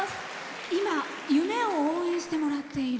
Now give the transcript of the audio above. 今、夢を応援してもらっている。